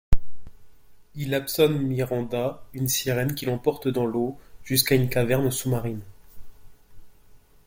Il hameçonne Miranda, une sirène qui l'emporte dans l'eau jusqu'à une caverne sous-marine.